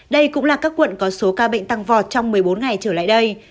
đây cũng là các quận có số ca bệnh tăng vọt trong một mươi bốn ngày trở lại đây